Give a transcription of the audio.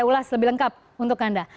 ulas lebih lengkap untuk anda